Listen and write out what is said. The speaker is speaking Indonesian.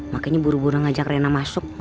makanya buru buru ngajak rena masuk